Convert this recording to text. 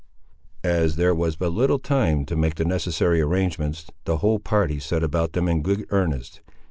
As there was but little time to make the necessary arrangements, the whole party set about them in good earnest.